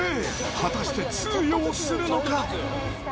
果たして通用するのか。